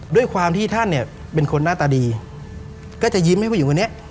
ด้วยความที่ท่านเนี่ยเป็นคนหน้าตาดีก็จะยิ้มให้ผู้หญิงคนนี้